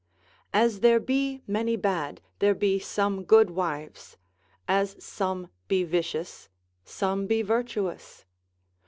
As there be many bad, there be some good wives; as some be vicious, some be virtuous.